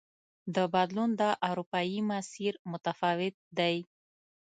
د بدلون دا اروپايي مسیر متفاوت دی.